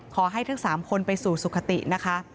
ขอให้ทั้ง๓คนไปสู่สุขตินะคะ